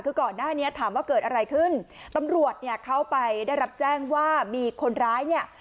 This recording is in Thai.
คือก่อนหน้านี้ถามว่าเกิดอะไรขึ้นตำรวจเนี่ยเขาไปได้รับแจ้งว่ามีคนร้ายเนี่ย